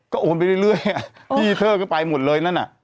ก็โอนไปเรื่อยเรื่อยอ่ะพี่เธอก็ไปหมดเลยนั่นอ่ะ